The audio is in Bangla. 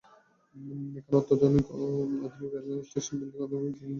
এখানে আধুনিক রেললাইন, স্টেশন বিল্ডিং, আধুনিক সিগন্যালিং সিস্টেম নির্মাণ করা হচ্ছে।